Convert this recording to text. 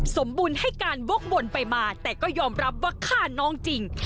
สมบูรณ์ให้การวกวนไปมาแต่ก็ยอมรับว่าฆ่าน้องจริง